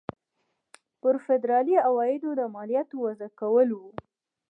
پر فدرالي عوایدو د مالیاتو وضع کول وو.